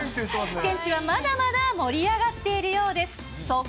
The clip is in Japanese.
現地はまだまだ盛り上がっているようです。